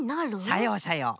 さようさよう。